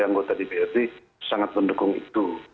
yang saya yang berada di bid sangat mendukung itu